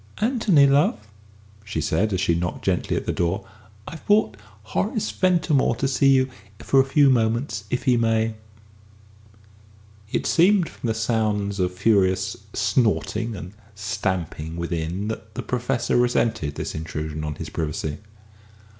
"Anthony, love," she said, as she knocked gently at the door, "I've brought Horace Ventimore to see you for a few moments, if he may." It seemed from the sounds of furious snorting and stamping within, that the Professor resented this intrusion on his privacy.